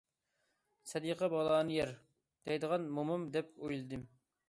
‹‹ سەدىقە بالانى يەر›› دەيدىغان مومام، دەپ ئويلىدىم.